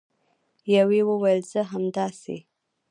یوې وویل: زه همداسې